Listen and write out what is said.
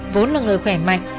vốn là người khỏe mạnh